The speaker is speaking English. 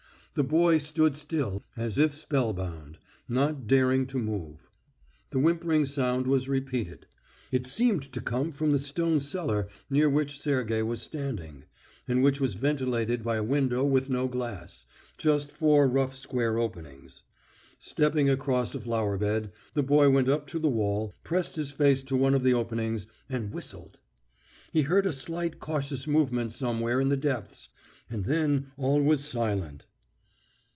The boy stood still as if spellbound, not daring to move. The whimpering sound was repeated. It seemed to come from the stone cellar near which Sergey was standing, and which was ventilated by a window with no glass, just four rough square openings. Stepping across a flower bed, the boy went up to the wall, pressed his face to one of the openings, and whistled. He heard a slight cautious movement somewhere in the depths, and then all was silent.